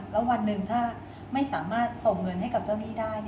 แล้ววันหนึ่งถ้าไม่สามารถส่งเงินให้กับเจ้าหนี้ได้